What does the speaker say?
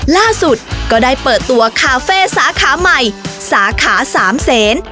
ล่าสุดก็ได้เปิดตัวคาเฟ่สาขาใหม่สาขาสามเซน